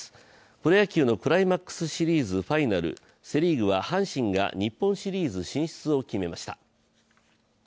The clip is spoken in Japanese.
プロ野球のクライマックスシリーズ・ファイナルセ・リーグは阪神が日本シリーズ進出を決めました。